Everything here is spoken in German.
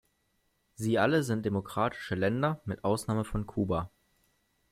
Sie alle sind demokratische Länder, mit Ausnahme von Kuba.